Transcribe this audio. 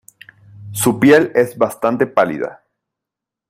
Su piel es bastante pálida.